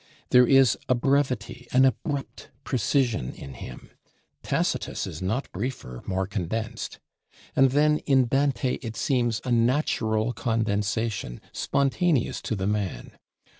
There is a brevity, an abrupt precision in him: Tacitus is not briefer, more condensed; and then in Dante it seems a natural condensation, spontaneous to the man.